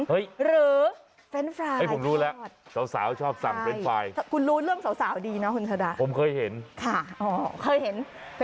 หึยหรือเป็น